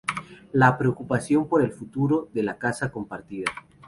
La preocupación por el futuro de la casa es compartida.